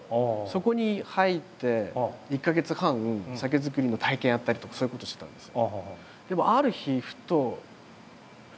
そこに入って１か月半酒造りの体験やったりとかそういうことしてたんです。